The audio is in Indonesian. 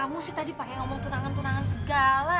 kamu sih tadi pake ngomong tunangan tunangan segala